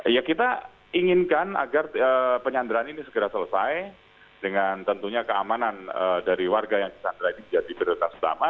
ya kita inginkan agar penyanderaan ini segera selesai dengan tentunya keamanan dari warga yang disandra ini menjadi prioritas utama